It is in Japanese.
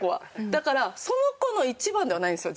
だからその子の一番ではないんですよ